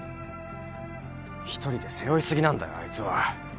一人で背負い過ぎなんだよあいつは。